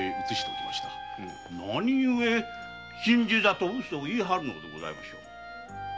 何ゆえ心中だと嘘を言い張るのでございましょう？